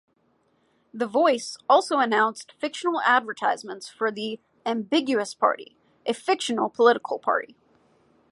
The Voice also announced fictional advertisements for the "Ambiguous Party", a fictional political party.